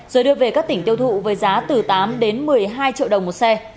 rồi đưa về các tỉnh tiêu thụ với giá từ tám đến một mươi hai triệu đồng một xe